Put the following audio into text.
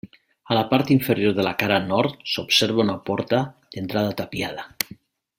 A la part inferior de la cara Nord s'observa una porta d'entrada tapiada.